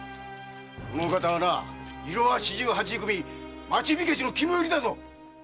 このお方はないろは四十八組町火消の肝煎だぞ！